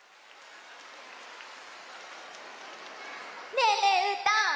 ねえねえうーたん！